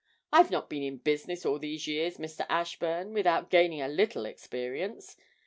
I've not been in business all these years, Mr. Ashburn, without gaining a little experience.